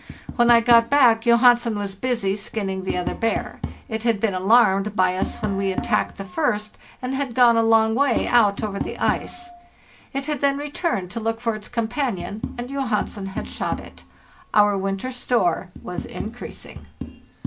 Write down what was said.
When I got back Johansen was busy skinning the other bear. It had been alarmed by us when we attacked the first, and had gone a long way out over the ice; it had then returned to look for its companion, and Johansen had shot it. Our winter store was increasing.